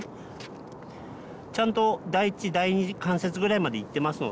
ちゃんと第一第二関節ぐらいまでいってますので。